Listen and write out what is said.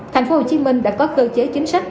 tp hcm đã có cơ chế chính sách